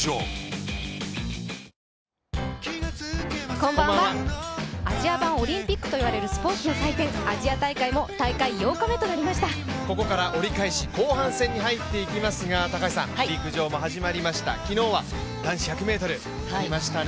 こんばんは、アジア版オリンピックといわれるスポーツの祭典、アジア大会もここから折り返し後半戦に入ってまいりますが陸上も始まりました、昨日は男子１００ｍ、ありましたね。